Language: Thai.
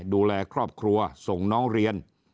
ดูแลครอบครัวส่งน้องเรียน